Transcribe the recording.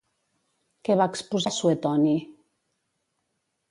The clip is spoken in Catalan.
Què va exposar Suetoni?